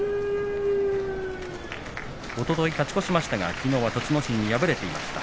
おととい勝ち越しましたがきのう栃ノ心に敗れていました